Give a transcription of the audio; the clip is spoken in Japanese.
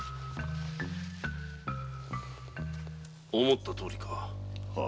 思ったとおりか。